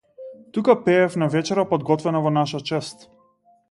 Тука пеев на вечера подготвена во наша чест.